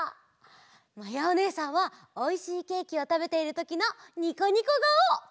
まやおねえさんはおいしいケーキをたべているときのニコニコがお！